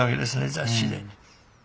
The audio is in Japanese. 雑誌で。